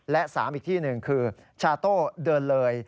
และ๓อีกที่หนึ่งคือชาโต้เดินเลย